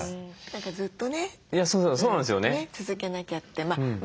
何かずっとね続けなきゃって。